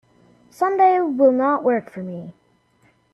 Sunday will not work for me.